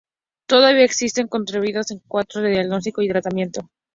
Todavía existen puntos controvertidos en cuanto al diagnóstico y tratamiento.